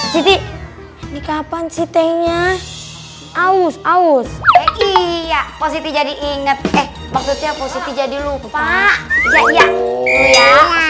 jadi ini kapan sih tehnya aws aws ayah posisi jadi inget eh maksudnya posisi jadi lupa ya iya